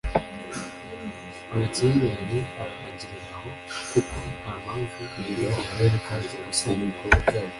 amakimbirane arangirira aho kuko nta mpamvu yari igihari yo gukomeza gushyamirana.